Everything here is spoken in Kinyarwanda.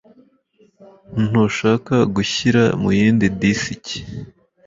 Ntushaka gushyira muyindi disiki?